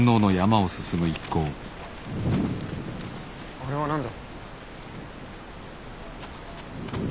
あれは何だ？